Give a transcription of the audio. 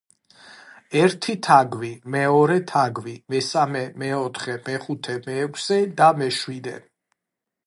ერთი თაგვი, მეორე თაგვი, მესამე, მეოთხე, მეხუთე, მეექვსე და მეშვიდე.